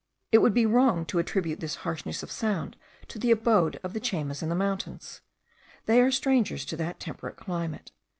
It would be wrong to attribute this harshness of sound to the abode of the Chaymas in the mountains. They are strangers to that temperate climate.